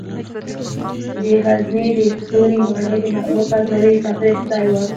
د غزني د ستوري ماڼۍ د محمود غزنوي د تفریح ځای و